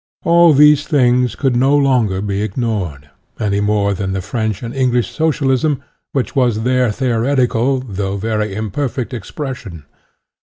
All these things could no longer be ignored, any more than the French and English Socialism, which was their theoretical, though very imperfect, ex pression.